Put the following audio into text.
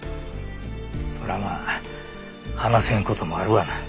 それはまあ話せん事もあるわな。